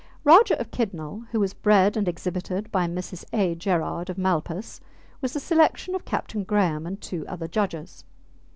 Rajah of Kidnal, who was bred and exhibited by Mrs. A. Gerard, of Malpas, was the selection of Captain Graham and two other judges.